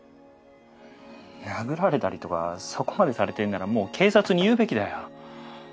殴られたりとかそこまでされてるならもう警察に言うべきだよ。